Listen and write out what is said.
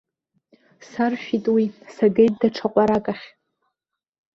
Саршәит уи, сагеит даҽа ҟәарак ахь.